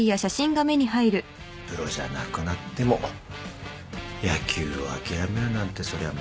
プロじゃなくなっても野球を諦めるなんてそりゃ難しいよな。